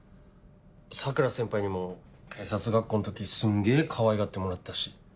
桜先輩にも警察学校の時すんげぇかわいがってもらったし。